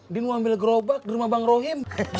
dia mau ambil gerobak di rumah bang rohim